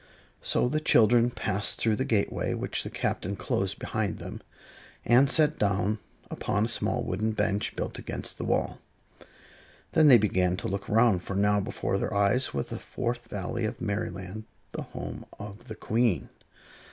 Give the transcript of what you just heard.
So the children passed through the gateway, which the Captain closed behind them, and sat down upon a small wooden bench built against the wall. Then they began to look around, for now before their eyes was the Fourth Valley of Merryland, the home of the Queen.